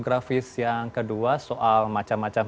grafis yang kedua soal macam macam